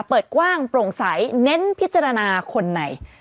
เปิดกว้างโปร่งใสเน้นพิจารณาคนไหน